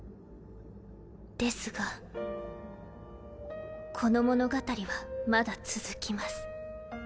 ですがこの物語はまだ続きます。